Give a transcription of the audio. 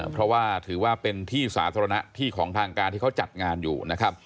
เพราะว่าถือว่าเป็นที่สาธารณะที่ของทางการที่เขาจัดงานอยู่นะครับ